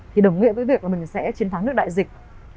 thì đồng nghĩa với việc là mình sẽ chiến thắng nước đại dịch